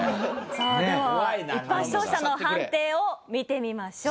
さあでは一般視聴者の判定を見てみましょう。